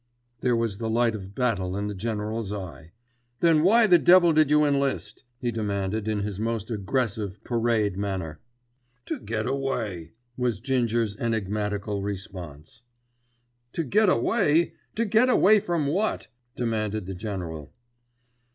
There was the light of battle in the General's eye. "Then why the devil did you enlist?" he demanded in his most aggressive parade manner. "To get away," was Ginger's enigmatical response. "To get away! To get away from what?" demanded the General.